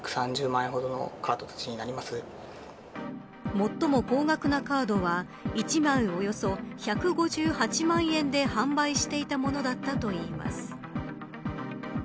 最も高額なカードは１枚およそ１５８万円で販売していたものだったといいます。